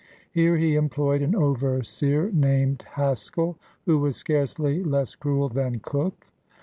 Here he employed an overseer named Haskell, who was scarcely less cruel than Cook.